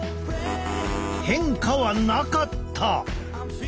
変化はなかった！